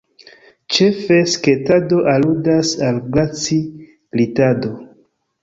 Ĉefe, sketado aludas al glaci-glitado.